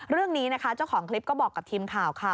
เรื่องนี้นะคะเจ้าของคลิปก็บอกกับทีมข่าวค่ะ